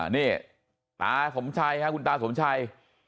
นี่ตาสมชัยค่ะคุณตาสมชัย